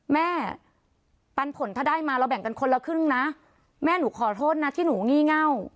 ปันผลถ้าได้มาเราแบ่งกันคนละครึ่งนะแม่หนูขอโทษนะที่หนูงี่เง่า